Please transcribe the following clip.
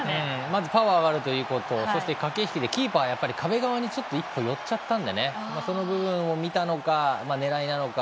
まずパワーがあるということそして駆け引きでキーパーは壁側に１歩寄っちゃったのでその部分を見たのか狙いなのか。